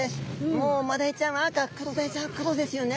もうマダイちゃんは赤クロダイちゃんは黒ですよね。